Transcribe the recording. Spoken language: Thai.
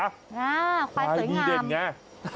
ควายสวยงามควายพี่เด่นอย่างนี้